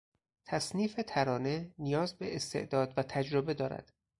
تصنیف ترانه نیاز به استعداد و تجربه دارد.